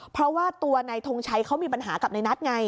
เพราะว่าตัวนายทงชัยเขามีปัญหากับในนัทไง